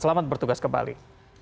selamat bertugas kembali